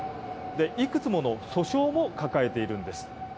いくつもの訴訟も抱えているんです。